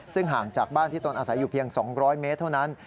ซึ่งห่างจากบ้านที่ตนอาศัยอยู่เพียง๒๐๐เมตรเท่านั้น